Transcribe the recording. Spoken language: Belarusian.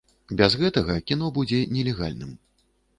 Без гэтага кіно будзе нелегальным.